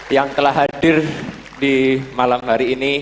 yang telah hadir di malam hari ini